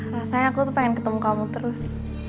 rasanya aku tuh pengen ketemu kamu terus